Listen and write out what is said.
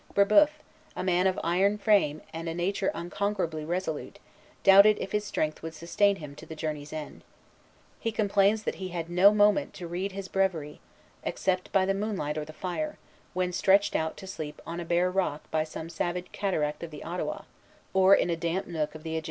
Brébeuf, a man of iron frame and a nature unconquerably resolute, doubted if his strength would sustain him to the journey's end. He complains that he had no moment to read his breviary, except by the moonlight or the fire, when stretched out to sleep on a bare rock by some savage cataract of the Ottawa, or in a damp nook of the adjacent forest.